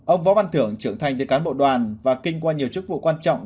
ông võ văn thưởng trưởng thành từ cán bộ đoàn và kinh qua nhiều chức vụ quan trọng